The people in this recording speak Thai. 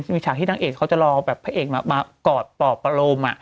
มีฉากที่นางเอกเขาจะรอแบบผ้าเอกมากอดต่อปะลม